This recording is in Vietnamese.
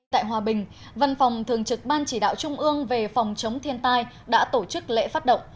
tại hòa bình văn phòng thường trực ban chỉ đạo trung ương về phòng chống thiên tai đã tổ chức lễ phát động